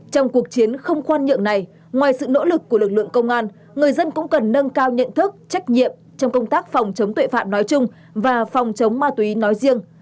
trong cuộc chiến không khoan nhượng này ngoài sự nỗ lực của lực lượng công an người dân cũng cần nâng cao nhận thức trách nhiệm trong công tác phòng chống tội phạm nói chung và phòng chống ma túy nói riêng